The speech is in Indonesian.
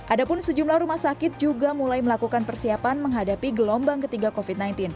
ada pun sejumlah rumah sakit juga mulai melakukan persiapan menghadapi gelombang ketiga covid sembilan belas